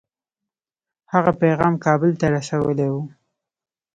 هغه پیغام کابل ته رسولی وو.